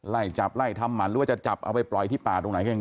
ไล่จับไล่ทำหมันหรือว่าจะจับเอาไปปล่อยที่ป่าตรงไหน